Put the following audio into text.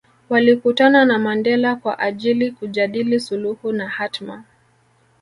Walikutana na Mandela kwa ajili kujadili suluhu na hatma